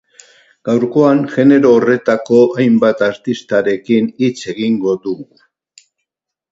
Gaurkoan genero horretako hainbat artistarekin hitz egingo dugu.